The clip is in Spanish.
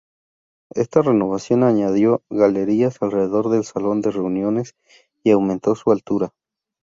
Esta renovación añadió galerías alrededor del salón de reuniones y aumentó su altura.